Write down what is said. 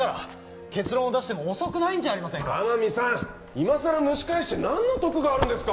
いまさら蒸し返して何の得があるんですか